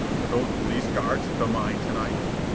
"Those police guards at the mine to night?"